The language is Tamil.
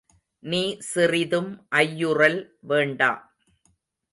நீ சிறிதும் ஐயுறல் வேண்டா.